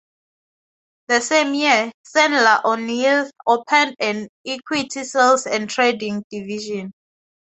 The same year, Sandler O'Neill opened an equity sales and trading division.